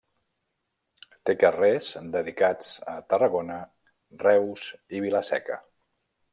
Té carrers dedicats a Tarragona, Reus i Vila-seca.